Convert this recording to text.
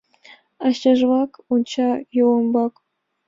Ачажлак онча Юл ӱмбак.